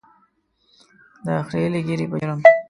د خرییلې ږیرې په جرم.